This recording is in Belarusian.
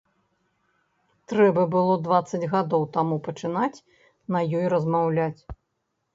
Трэба было дваццаць гадоў таму пачынаць на ёй размаўляць.